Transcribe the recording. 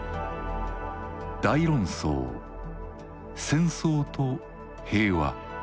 「大論争戦争と平和」。